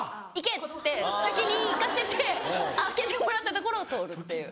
っつって先に行かせて開けてもらったところを通る。